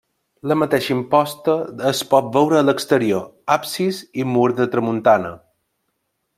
La mateixa imposta es pot veure a l'exterior, absis i mur de tramuntana.